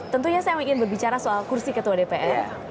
tentunya saya ingin berbicara soal kursi ketua dpr